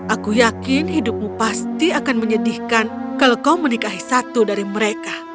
aku yakin hidupmu pasti akan menyedihkan kalau kau menikahi satu dari mereka